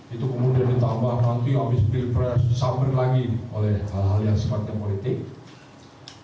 itu kemudian ditambah nanti habis pilpres sampai lagi oleh hal hal yang sifatnya politik